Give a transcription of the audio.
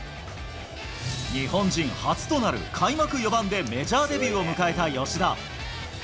日本人初となる開幕４番でメジャーデビューを迎えた吉田。